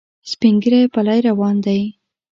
سپین ږیری پلی روان دی.